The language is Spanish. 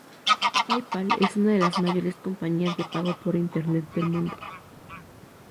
PayPal es una de las mayores compañías de pago por Internet del mundo.